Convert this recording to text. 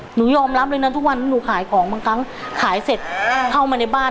หนูยอมรับเลยนะทุกวันนี้หนูขายของบางครั้งขายเสร็จเข้ามาในบ้าน